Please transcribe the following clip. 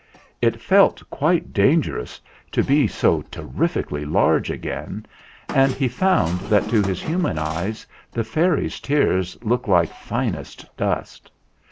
It felt quite dangerous to be so ter rifically large again, and he found that to his human eyes the fairy's tears looked like finest dust.